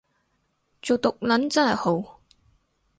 做毒撚真係好